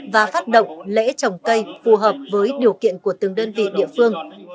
và phát động lễ trồng cây phù hợp với điều kiện của từng đơn vị địa phương